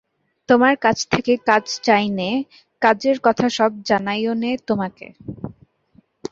তোমার কাছ থেকে কাজ চাই নে, কাজের কথা সব জানাইও নে তোমাকে।